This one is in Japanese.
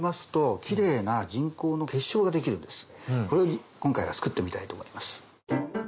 これを今回は作ってみたいと思います。